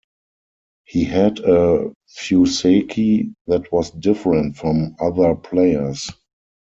He had a fuseki that was different from other players.